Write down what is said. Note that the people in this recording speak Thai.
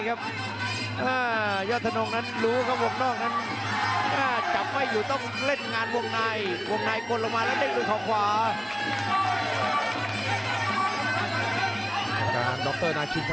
ครับเดินลุยต่อครับยอดทนง